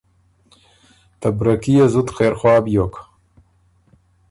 ته بره کي يې زُت خېرخواه بیوک